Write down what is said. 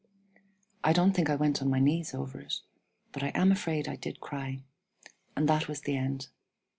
I don't think I went on my knees over it. But I am afraid I did cry; and that was the end.